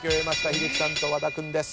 英樹さんと和田君です。